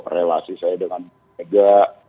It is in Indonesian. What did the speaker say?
relasi saya dengan bu mega